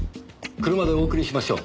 車でお送りしましょう。